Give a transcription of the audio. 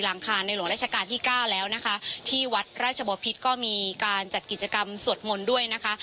คารในหลวงราชการที่เก้าแล้วนะคะที่วัดราชบพิษก็มีการจัดกิจกรรมสวดมนต์ด้วยนะคะ